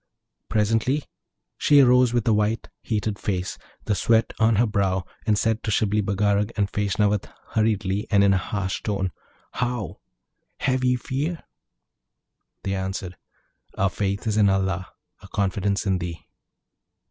Presently she arose with a white heated face, the sweat on her brow, and said to Shibli Bagarag and Feshnavat hurriedly and in a harsh tone, 'How? have ye fear?' They answered, 'Our faith is in Allah, our confidence in thee.'